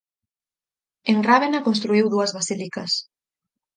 En Rávena construíu dúas basílicas.